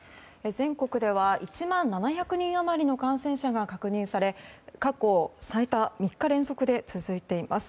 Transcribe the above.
全国では１万７００人余りの感染者が確認され、過去最多３日連続で続いています。